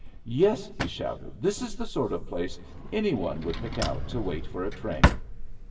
"Yes," he shouted; "this is the sort of place any one would pick out to wait for a train!"